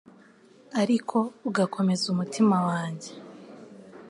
ariko ugakomeza umutima wanjye